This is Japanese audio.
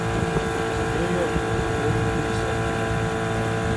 ニューヨークのポール・ルイソン。